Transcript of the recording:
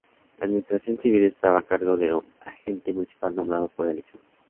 La administración civil estaba a cargo de un Agente Municipal nombrado por elección.